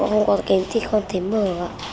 khi mà không có đeo kính thì con thấy mở ạ